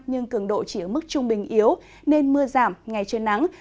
nhưng cường độ chỉ ở mức trung bình yếu nên mưa giảm ngày trời nắng